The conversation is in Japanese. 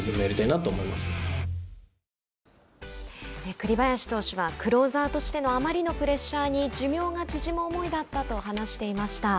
栗林投手はクローザーとしてのあまりのプレッシャーに寿命が縮む思いだったと話していました。